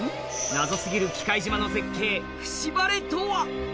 謎過ぎる喜界島の絶景フシバレとは？